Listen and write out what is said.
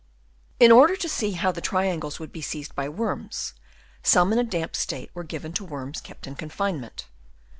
In order to see how the triangles would be seized by worms, some in a damp state were given to worms kept in confinement.